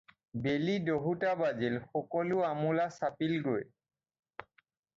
বেলি দহোটা বাজিল, সকলো আমোলা চাপিলগৈ।